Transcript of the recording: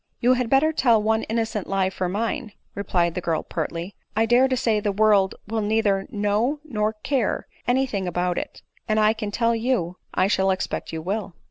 You had better tell one innocent lie for mine," re plied the girl pertly. " I dare to say the world will nei ther know nor care any thing about it ; and I can tell you I shall expect you will."